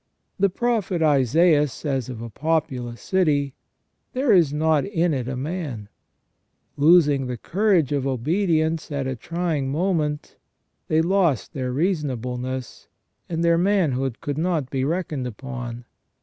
The Prophet Isaias says of a populous city :*' There is not in it a man ". Losing the courage of obedience at a trying moment, they lost their reasonableness, and their manhood could not be reckoned upon.